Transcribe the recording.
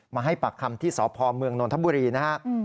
มาให้ปากคำที่สพเมืองนนทบุรีนะครับ